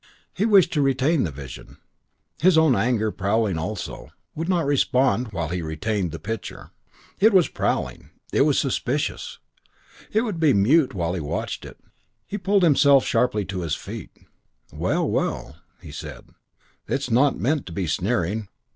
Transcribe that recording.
He wished to retain the vision. His own anger, prowling also, would not respond while he retained the picture. It was prowling. It was suspicious. It would be mute while he watched it. While he watched it.... He pulled himself sharply to his feet. "Well, well,", he said. "It's not meant to be sneering.